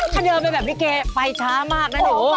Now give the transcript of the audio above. ตอนเดินแบบลิเกไปช้ามากนะกู